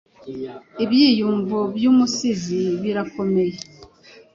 ibyiyumvo byumusizi birakomeye